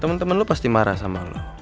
temen temen lu pasti marah sama lu